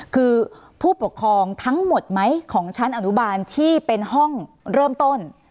คือผู้ปกครองทั้งหมดไหมของชั้นอนุบาลที่เป็นห้องเริ่มต้น